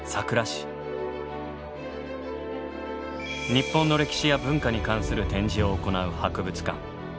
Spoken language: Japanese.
日本の歴史や文化に関する展示を行う博物館。